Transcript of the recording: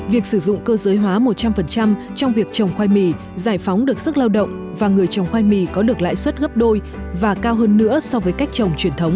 việc sử dụng cơ giới hóa một trăm linh trong việc trồng khoai mì giải phóng được sức lao động và người trồng khoai mì có được lãi suất gấp đôi và cao hơn nữa so với cách trồng truyền thống